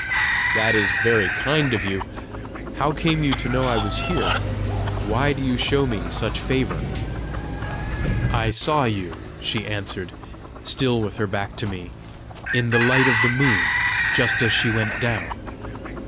"That is very kind of you! How came you to know I was here? Why do you show me such favour?" "I saw you," she answered, still with her back to me, "in the light of the moon, just as she went down.